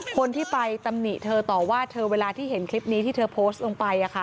คนที่ไปตำหนิเธอต่อว่าเธอเวลาที่เห็นคลิปนี้ที่เธอโพสต์ลงไป